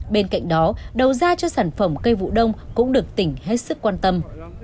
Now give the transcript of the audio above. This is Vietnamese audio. bên cạnh đó đầu ra cho sản phẩm cây vụ đông cũng được tỉnh hết sức quan tâm